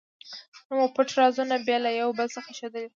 نه مو پټ رازونه بې له یو بل څخه ښودلي.